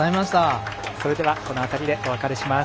それでは、この辺りでお別れします。